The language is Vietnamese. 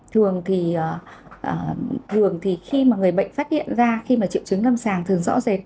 thường thì khi mà người bệnh phát hiện ra khi mà triệu chứng lâm sàng thường rõ rệt